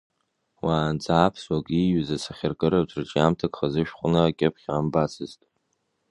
Уаанӡа аԥсуак ииҩыз асахьаркыратә рҿиамҭак хазы шәҟәны акьыԥхь амбацызт.